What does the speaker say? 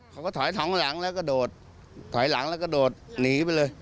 เขาก็ถอยท้องหลังแล้วก็โดดถอยหลังแล้วก็โดดหนีไปเลย